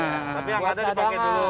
tapi yang nggak ada dipakai dulu